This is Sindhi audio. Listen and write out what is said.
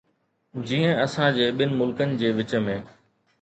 جيئن اسان جي ٻن ملڪن جي وچ ۾.